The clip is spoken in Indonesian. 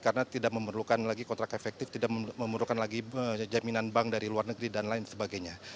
karena tidak memerlukan lagi kontrak efektif tidak memerlukan lagi jaminan bank dari luar negeri dan lain sebagainya